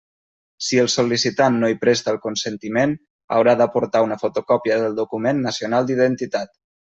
Si el sol·licitant no hi presta el consentiment, haurà d'aportar una fotocòpia del document nacional d'identitat.